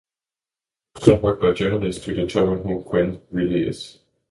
It took some work by journalists to determine who "Quinn" really is.